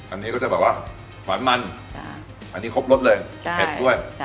อันนี้ก็จะแบบว่าหวานมันอันนี้ครบรสเลยเผ็ดด้วย